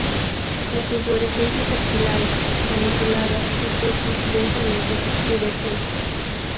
Las inflorescencias axilares, paniculadas, difusa, densamente pubescentes.